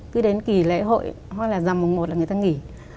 cứ đến kỳ lễ hội hoặc là dầm mùng một là người ta nghỉ